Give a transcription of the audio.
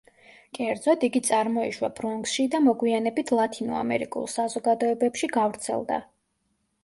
კერძოდ, იგი წარმოიშვა ბრონქსში და მოგვიანებით ლათინო ამერიკულ საზოგადოებებში გავრცელდა.